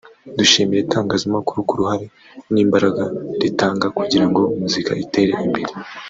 ”Dushimira itangazamakuru ku ruhare n’imbaraga ritanga kugira ngo muzika itere imbere